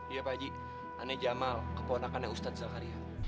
iya pakji ane jamal keporakannya ustaz zakaria